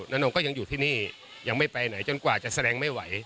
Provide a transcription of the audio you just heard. โนก็ยังอยู่ที่นี่ยังไม่ไปไหนจนกว่าจะแสดงไม่ไหว